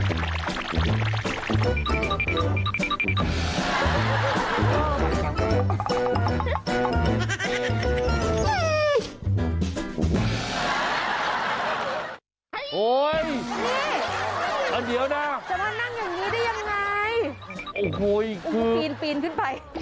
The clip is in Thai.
โอ้โหนี่เดี๋ยวนะจะมานั่งอย่างนี้ได้ยังไงโอ้โหปีนปีนขึ้นไป